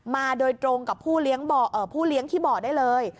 มาโดยตรงกับผู้เลี้ยงขี้บ่อได้เลย